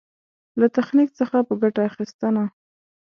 له تخنيک څخه په ګټه اخېستنه.